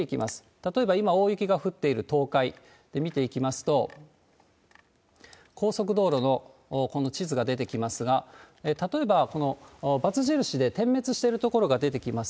例えば今、大雪が降っている東海、見ていきますと、高速道路のこの地図が出てきますが、例えば、このバツ印で点滅している所が出てきます。